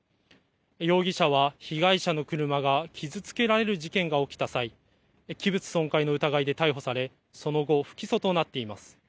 容疑者は被害者の車が傷つけられる事件が起きた際、器物損壊の疑いで逮捕されその後不起訴となっています。